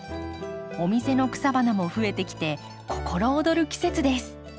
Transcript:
お店の草花も増えてきて心躍る季節です。